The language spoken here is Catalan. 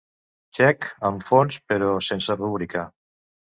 Txec amb fons però sense rúbrica.